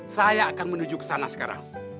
saya akan menuju ke sana sekarang